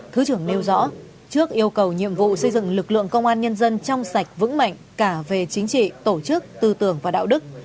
thứ trưởng nêu rõ trước yêu cầu nhiệm vụ xây dựng lực lượng công an nhân dân trong sạch vững mạnh cả về chính trị tổ chức tư tưởng và đạo đức